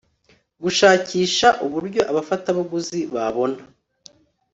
gushakisha uburyo abafatabuguzi babona